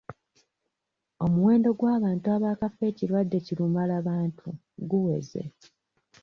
Omuwendo gw'abantu abaakafa ekirwadde kirumalabantu guweze.